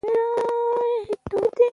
پښتانه باید زړه نه وای اچولی.